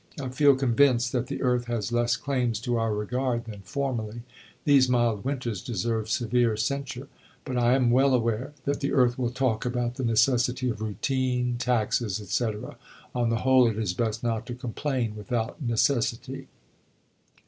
I feel convinced that the Earth has less claims to our regard than formerly; these mild winters deserve severe censure. But I am well aware that the Earth will talk about the necessity of routine, taxes, etc. On the whole it is best not to complain without necessity."